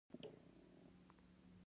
آب وهوا د افغان ښځو په ژوند کې رول لري.